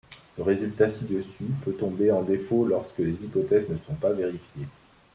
Le résultat ci-dessus peut tomber en défaut lorsque les hypothèses ne sont pas vérifiées.